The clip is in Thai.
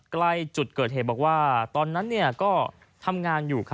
ใกล้จุดเกิดเหตุบอกว่าตอนนั้นก็ทำงานอยู่